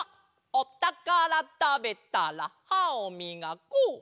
「おたからたべたらはをみがこう！」。